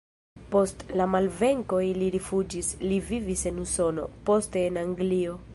Post la malvenkoj li rifuĝis, li vivis en Usono, poste en Anglio.